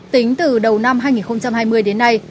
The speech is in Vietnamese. tính từ đầu năm hai nghìn hai mươi đến nay